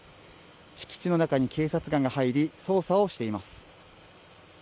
敷地の中に警察官が入り捜査をしています。